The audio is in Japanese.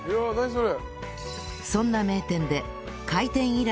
それ。